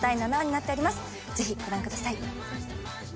ぜひご覧ください。